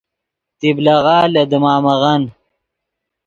طبلغہ لے دیمامغن